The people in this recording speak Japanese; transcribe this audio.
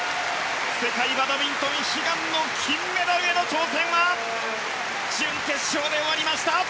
世界バドミントン悲願の金メダルへの挑戦は準決勝で終わりました。